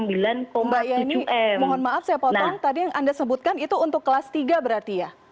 mbak yeni mohon maaf saya potong tadi yang anda sebutkan itu untuk kelas tiga berarti ya